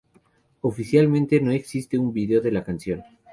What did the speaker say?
Oficialmente no existe un video de la canción.